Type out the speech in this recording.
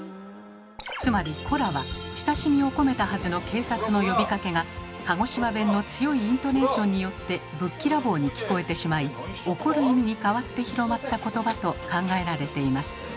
つまり「コラ」は親しみを込めたはずの警察の呼びかけが鹿児島弁の強いイントネーションによってぶっきらぼうに聞こえてしまい怒る意味に変わって広まった言葉と考えられています。